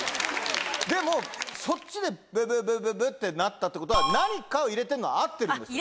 でもそっちでブブブブブってなったってことは何かを入れてるのは合ってるんです。